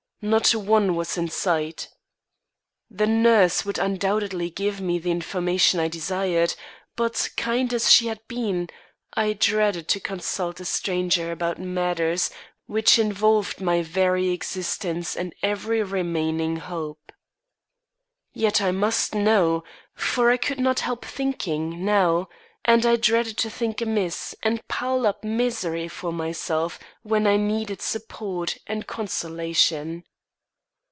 Not one was in sight. The nurse would undoubtedly give me the information I desired, but, kind as she had been, I dreaded to consult a stranger about matters which involved my very existence and every remaining hope. Yet I must know; for I could not help thinking, now, and I dreaded to think amiss and pile up misery for myself when I needed support and consolation.